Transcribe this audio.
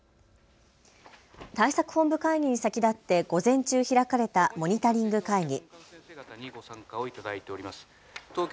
対策本部会議に先立って午前中、開かれたモニタリング会議。